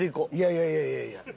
いやいやいやいや。